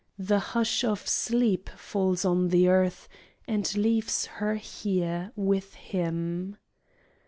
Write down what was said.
The hush of sleep falls on the earth And leaves her here with him.